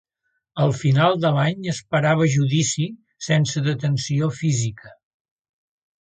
Al final de l'any esperava judici sense detenció física.